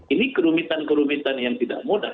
ini kerumitan kerumitan yang tidak mudah